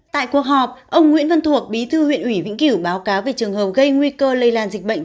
tại cuộc họp ông nguyễn văn thuộc bí thư huyện ủy vĩnh kiểu báo cáo về trường hợp gây nguy cơ lây lan dịch bệnh